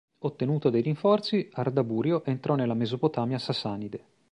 Ottenuto dei rinforzi, Ardaburio entrò nella Mesopotamia sasanide.